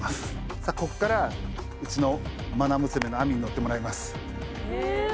さあここからうちの愛娘の愛美に乗ってもらいます。